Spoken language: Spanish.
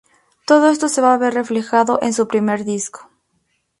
Todo esto se va a ver reflejado en su primer disco.